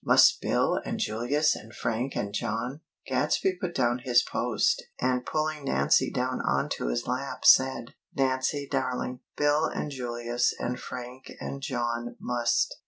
Must Bill and Julius and Frank and John, " Gadsby put down his "Post" and, pulling Nancy down onto his lap, said: "Nancy darling, Bill and Julius and Frank and John must.